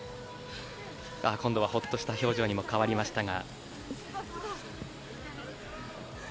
今度はほっとした表情に変わりましたが。